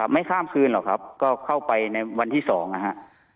ไม่ข้ามคืนหรอกครับก็เข้าไปในวันที่๒นะฮะ